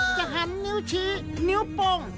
จะหันนิ้วชี้นิ้วโป้ง